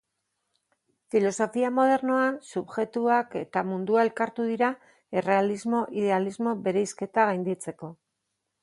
Filosofia modernoan, subjektua eta mundua elkartu dira errealismo-idealismo bereizketa gainditzeko.